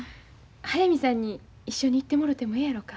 速水さんに一緒に行ってもろてもええやろか。